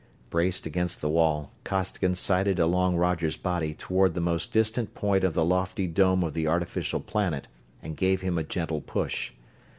Braced against the wall, Costigan sighted along Roger's body toward the most distant point of the lofty dome of the artificial planet and gave him a gentle push.